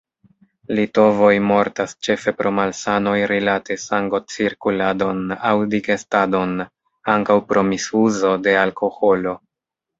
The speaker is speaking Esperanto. Litovoj mortas ĉefe pro malsanoj rilate sangocirkuladon aŭ digestadon; ankaŭ pro misuzo de alkoholo.